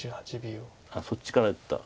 そっちから打った。